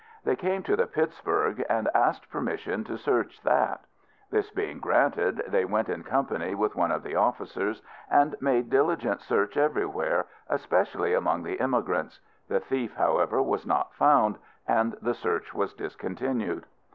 They came to the Pittsburg, and asked permission to search that. This being granted, they went in company with one of the officers, and made diligent search everywhere, especially among the emigrants. The thief, however, was not found, and the search was discontinued.